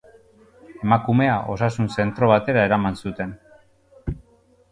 Emakumea osasun-zentro batera eraman zuten.